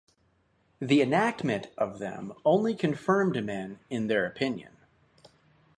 The enactment of them only confirmed men in their opinion.